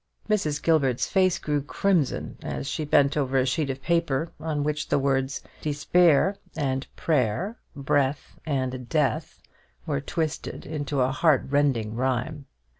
Mrs. Gilbert's face grew crimson as she bent over a sheet of paper on which the words "despair" and "prayer," "breath" and "death," were twisted into a heartrending rhyme.